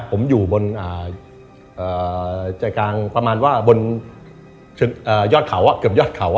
ผมอยู่บนใจกลางประมาณว่าบนยอดเขาเกือบยอดเขา